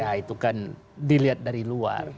ya itu kan dilihat dari luar